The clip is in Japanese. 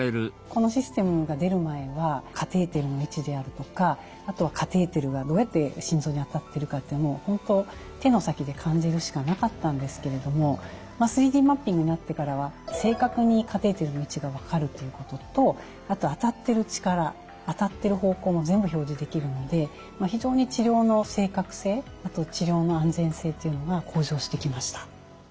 このシステムが出る前はカテーテルの位置であるとかあとはカテーテルがどうやって心臓に当たってるかというのは本当手の先で感じるしかなかったんですけれども３Ｄマッピングになってからは正確にカテーテルの位置が分かるということとあと当たってる力当たってる方向も全部表示できるので非常に治療の正確性あと治療の安全性というのが向上してきました。